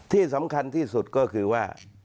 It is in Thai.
ที่สำคัญที่สุดก็คือว่า